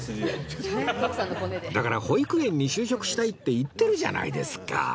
だから保育園に就職したいって言ってるじゃないですか！